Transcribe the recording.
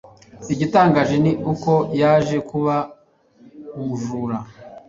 Igitangaje ni uko, yaje kuba umujura